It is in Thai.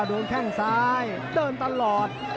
โดนแข้งซ้ายเติมตลอด